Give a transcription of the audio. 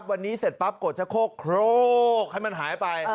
วันนี้เสร็จปั๊บกดกดให้มันหายไป